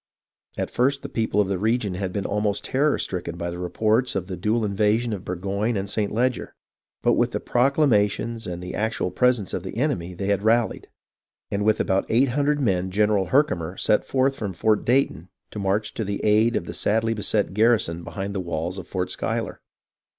At first the people of the region had been almost terror stricken by the report of the dual inva sion of Burgoyne and St. Leger ; but with the " procla mations " and the actual presence of the enemy they had rallied, and with about eight hundred men General Herki mer set forth from Fort Dayton to march to the aid of the sadly beset garrison behind the walls of Fort Schuyler.